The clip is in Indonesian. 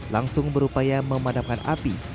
langsung berupaya memadamkan api